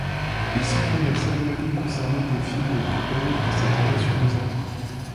Les six premières cérémonies concernaient des films d'une période qui s'étendait sur deux années.